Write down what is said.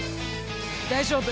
大丈夫！？